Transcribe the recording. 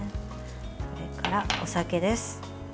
それから、お酒です。